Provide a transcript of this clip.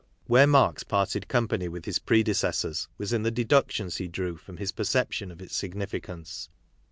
Where Marx parted company with his pre decessors was in the deductions he drew from his per ception of its significance.